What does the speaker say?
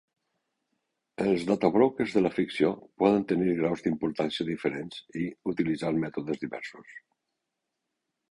Els "data brokers" de la ficció poden tenir graus d'importància diferents i utilitzar mètodes diversos.